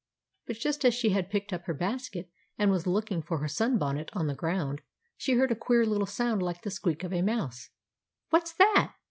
But just as she had picked up her basket and was looking for her sun bonnet on the ground, she heard a queer little sound like the squeak of a mouse. "What's that?"